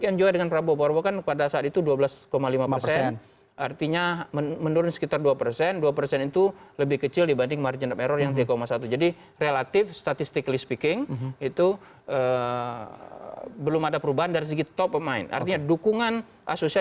sudah mendukung jokowi ya